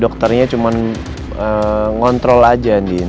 dokternya cuma ngontrol aja